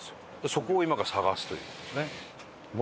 そこを今から探すという事ですね。